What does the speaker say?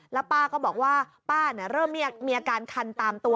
แล้วป้าก็บอกว่าป้าเริ่มมีอาการคันตามตัว